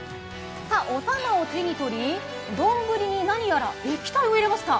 おたまを手に取り丼に何やら液体を入れました。